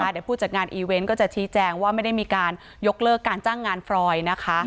เดี๋ยวผู้จัดงานอีเวนต์ก็จะชี้แจงว่าไม่ได้มีการยกเลิกการจ้างงานฟรอยนะคะ